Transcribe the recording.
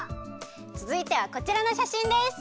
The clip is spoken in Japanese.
つづいてはこちらのしゃしんです！